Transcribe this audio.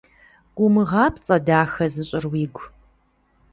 Къумыгъапцӏэ дахэ зыщӏыр уигу.